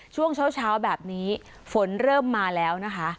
ช่วงเช้าแบบนี้ฝนเริ่มมาแล้วนะคะ